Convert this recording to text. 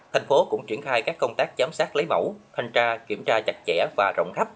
thành phố cũng triển khai các công tác giám sát lấy mẫu thanh tra kiểm tra chặt chẽ và rộng khắp